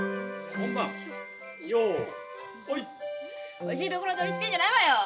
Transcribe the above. おいしいところ取りしてんじゃないわよ！